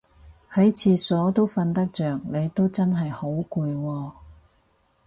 喺廁所都瞓得着你都真係好攰喎